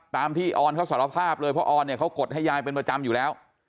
ตามที่ออนเขาสารภาพเลยเพราะออนเนี่ยเขากดให้ยายเป็นประจำอยู่แล้ว